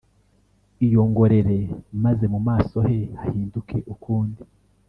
iyongorere, maze mu maso he hahinduke ukundi